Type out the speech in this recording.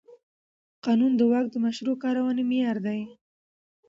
قانون د واک د مشروع کارونې معیار دی.